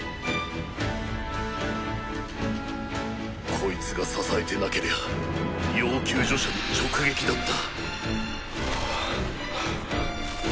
こいつが支えてなけりゃ要救助者に直撃だった！！